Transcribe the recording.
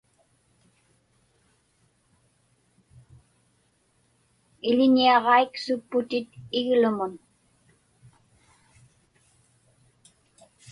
Iḷiñiaġaik supputit iglumun.